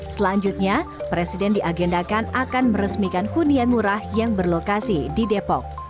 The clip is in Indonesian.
selanjutnya presiden diagendakan akan meresmikan hunian murah yang berlokasi di depok